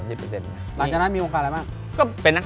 หลังจากนั้นมีวงการอะไรบ้าง